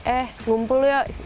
eh ngumpul yuk